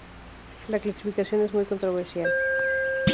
La clasificación es muy controversial.